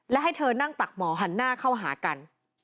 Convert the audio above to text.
และให้เธอนั่งตักหมอหันหน้าเข้าหากัน